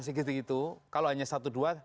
sedikit sedikit itu kalau hanya satu dua